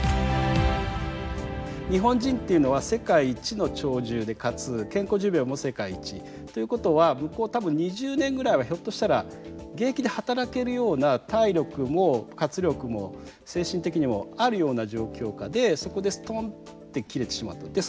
日本人っていうのは世界一の長寿でかつ健康寿命も世界一。ということは向こう多分２０年ぐらいはひょっとしたら現役で働けるような体力も活力も精神的にもあるような状況下でそこでストンって切れてしまうと。